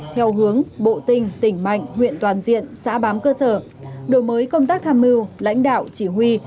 theo hướng bộ tinh tỉnh mạnh huyện toàn diện xã bám cơ sở đổi mới công tác tham mưu lãnh đạo chỉ huy